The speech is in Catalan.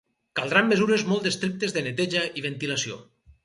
Caldran mesures molt estrictes de neteja i ventilació.